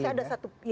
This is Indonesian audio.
saya ada satu